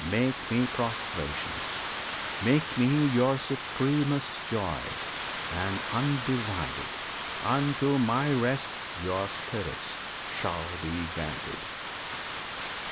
Make Me prostrations! Make Me your supremest joy! and, undivided, Unto My rest your spirits shall be guided.